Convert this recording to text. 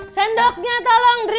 sendoknya tolong andri